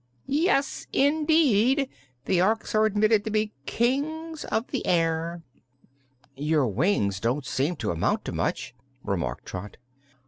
"Yes, indeed; the Orks are admitted to be Kings of the Air." "Your wings don't seem to amount to much," remarked Trot.